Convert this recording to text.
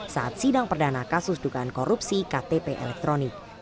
saat sidang perdana kasus dugaan korupsi ktp elektronik